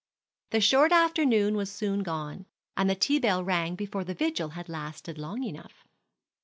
The short afternoon was soon gone, and the tea bell rang before the vigil had lasted long enough.